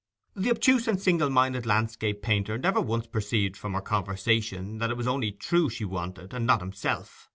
The obtuse and single minded landscape painter never once perceived from her conversation that it was only Trewe she wanted, and not himself.